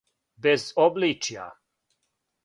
без обличја